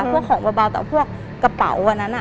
พวกของเบาแต่พวกกระเป๋าอันนั้น